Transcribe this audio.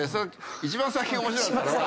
一番最近面白かったのが。